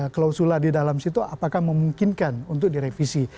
klausullah di dalam situ apakah memungkinkan untuk direvisi